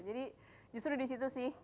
jadi justru disitu sih